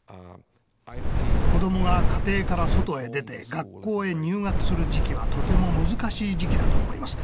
子どもが家庭から外へ出て学校へ入学する時期はとても難しい時期だと思います。